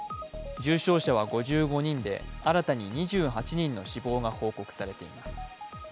重症者は５５人で、新たに２８人の死亡が報告されています。